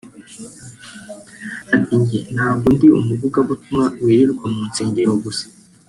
Ati “Njye ntabwo ndi umuvugabutumwa wirirwa mu nsengero gusa